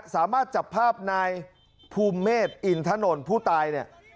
สามารถจับภาพนายภูมิเมษอินถนนผู้ตายเนี่ย